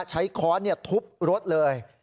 ใช้คอร์สทุบรถเลย